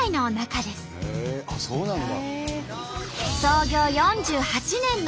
へえそうなんだ。